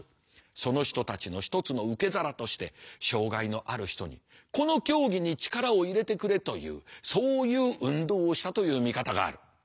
その人たちの一つの受け皿として障害のある人にこの競技に力を入れてくれというそういう運動をしたという見方がある。